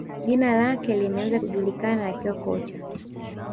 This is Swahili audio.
Jina lake limeanza kujulikana akiwa kocha